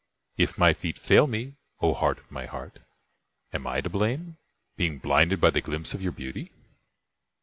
If my feet fail me, O Heart of my Heart, am I to blame, being blinded by the glimpse of your beauty?